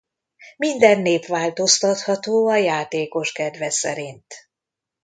Minden nép változtatható a játékos kedve szerint.